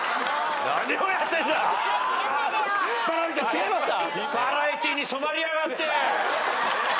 違いました！？